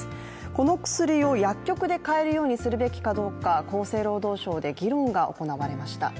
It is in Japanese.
この薬を薬局で買えるようにするべきかどうか厚生労働省で議論が行われました。